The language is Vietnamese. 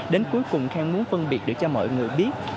đến cuối cùng khang muốn phân biệt được cho mọi người biết